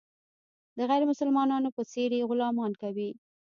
د غیر مسلمانانو په څېر یې غلامان کوي.